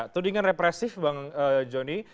tudingan represif bang jony